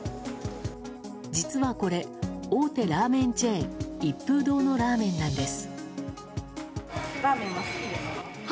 実はこれ、大手ラーメンチェーン一風堂のラーメンなんです。